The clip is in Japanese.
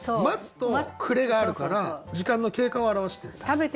「待つ」と「暮れ」があるから時間の経過を表してるんだ。